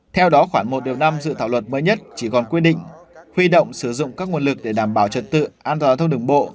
theo đó khoảng một năm dự thảo luật mới nhất chỉ còn quy định huy động sử dụng các nguồn lực để đảm bảo trật tự an toàn giao thông đường bộ